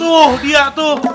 tuh dia tuh